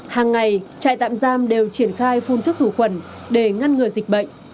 hàng ngày trại tạm giam đều triển khai phun thức thủ quần để ngăn ngừa dịch bệnh